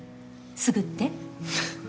「すぐ」って？